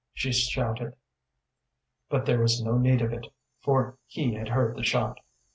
she shouted. But there was no need of it, for he had heard the shot.